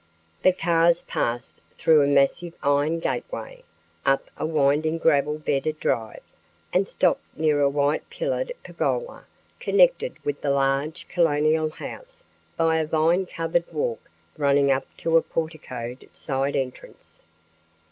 The cars passed through a massive iron gateway, up a winding gravel bedded drive, and stopped near a white pillared pergola connected with the large colonial house by a vine covered walk running up to a porticoed side entrance.